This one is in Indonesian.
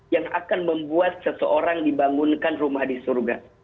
yang akan membuat seseorang dibangunkan rumah di surga